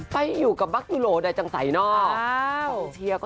ไปอยู่กับบัรกยูโรดายและจังระไสนอก